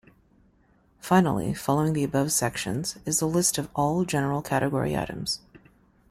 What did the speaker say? Finally, following the above sections, is the list of all general category items.